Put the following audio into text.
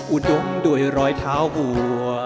อุดมด้วยรอยเท้าหัว